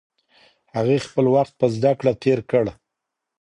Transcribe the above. هغې خپل وخت په زده کړه تېر کړ.